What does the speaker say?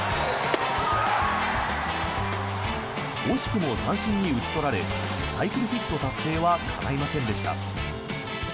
惜しくも三振に打ち取られサイクルヒット達成はかないませんでした。